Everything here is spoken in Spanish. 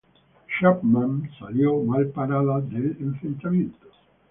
Chapman salió mal parada del enfrentamiento.